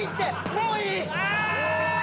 もういい。